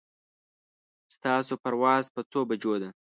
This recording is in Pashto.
ستاسو پرواز په څو بجو ده